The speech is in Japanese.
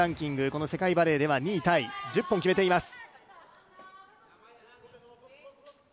この世界バレーでは２位タイ、１０本決めています。